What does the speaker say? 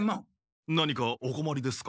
何かおこまりですか？